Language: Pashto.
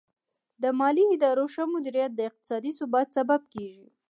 د مالي ادارو ښه مدیریت د اقتصادي ثبات سبب کیږي.